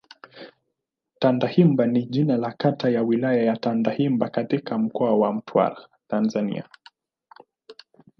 Tandahimba ni jina la kata ya Wilaya ya Tandahimba katika Mkoa wa Mtwara, Tanzania.